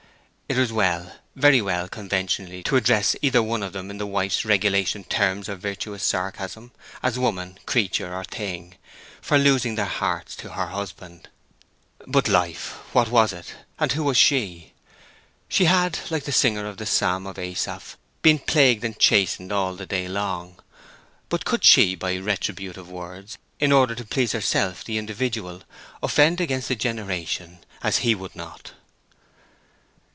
It was well, very well, conventionally, to address either one of them in the wife's regulation terms of virtuous sarcasm, as woman, creature, or thing, for losing their hearts to her husband. But life, what was it, and who was she? She had, like the singer of the psalm of Asaph, been plagued and chastened all the day long; but could she, by retributive words, in order to please herself—the individual—"offend against the generation," as he would not?